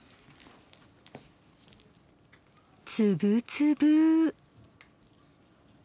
つぶつぶ！